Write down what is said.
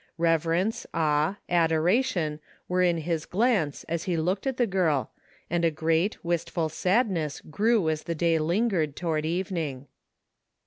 Reverence, awe, adora tion were in his glance as he looked at the girl, and a great, wistful sadness grew as the day lingered toward evening.